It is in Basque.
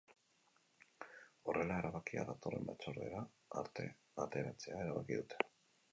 Horrela, erabakia datorren batzordera arte atzeratzea erabaki dute.